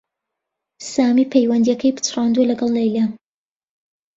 سامی پەیوەندییەکەی پچڕاندووە لەگەڵ لەیلا